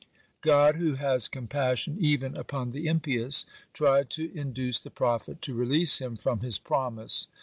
(7) God, who has compassion even upon the impious, tried to induce the prophet to release Him from His promise.